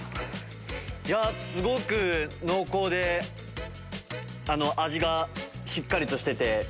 いやすごく濃厚で味がしっかりとしてて。